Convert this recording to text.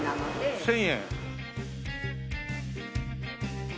１０００円。